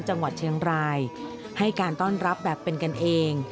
จังหวัดเชียงรายให้การต้อนรับแบบเป็นกันเอง